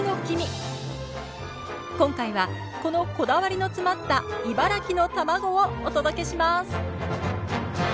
今回はこのこだわりの詰まった茨城の卵をお届けします